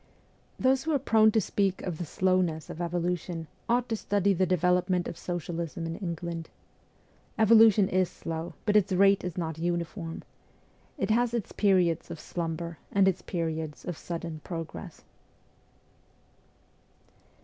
Those who are prone to speak of the slowness of evolution ought to study the development of socialism in England. Evolution is slow ; but its rate is not uniform. It has its periods of slumber and its periods of sudden progress.